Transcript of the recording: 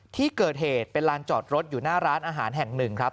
ที่เกิดเหตุเป็นลานจอดรถอยู่หน้าร้านอาหารแห่งหนึ่งครับ